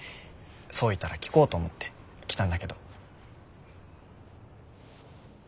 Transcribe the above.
想いたら聞こうと思って来たんだけど。